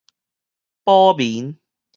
補眠